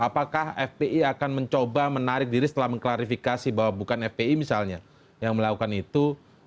apakah fpi akan mencoba menarik diri setelah mengklarifikasi bahwa bukan fpi misalnya yang melakukan itu